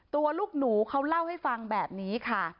ลูกหนูเขาเล่าให้ฟังแบบนี้ค่ะ